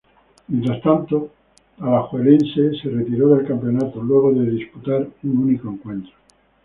Mientras tanto Alajuelense se retiró del campeonato luego de disputar un único encuentro.